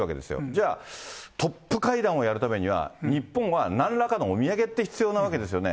じゃあ、トップ会談をやるためには、日本はなんらかのお土産って必要なわけですよね。